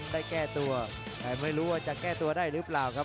มีมัน๑๒แล้วรอจังหวะเสียบ